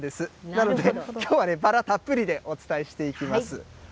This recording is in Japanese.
なので、きょうはバラたっぷりでお伝えしていきます。